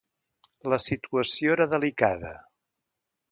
La situació era delicada.